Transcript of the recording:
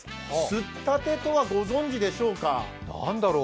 すったてとは、ご存じでしょうか。